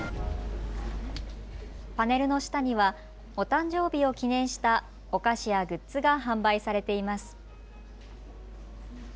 パネルの下にはお誕生日を記念したお菓子やグッズが販売されています。